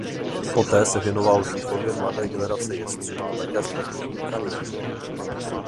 Poté se věnoval výchově mladé generace jezdců a také sportovní kariéře.